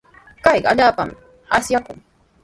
Kayqa allaapami asyaakun.